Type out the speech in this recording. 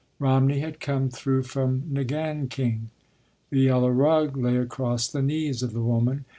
Romney had come through from Ngan king. The yellow rug lay across the knees of the woman.